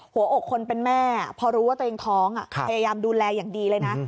หัวอกคนเป็นแม่พอรู้ว่าตัวเองท้องพยายามดูแลอย่างดีเลยนะ